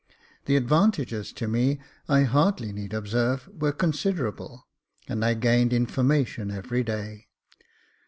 The advantages to me, I hardly need observe, were considerable, and I gained information every day.